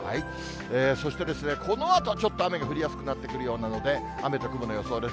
そしてこのあとちょっと雨が降りやすくなってくるようなので、雨と雲の予想です。